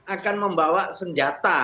akan membawa senjata